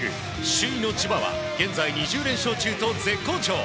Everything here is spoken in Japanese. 首位の千葉は現在２０連勝中と絶好調。